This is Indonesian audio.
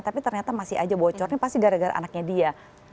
tapi ternyata masih aja bocornya pasti gara gara anaknya dia